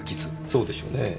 そうでしょうねぇ。